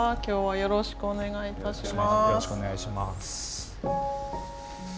よろしくお願いします。